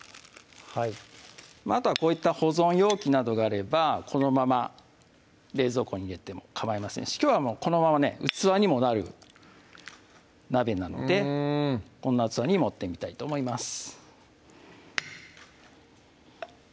あとはこういった保存容器などがあればこのまま冷蔵庫に入れてもかまいませんしきょうはこのままね器にもなる鍋なのでこんな器に盛ってみたいと思います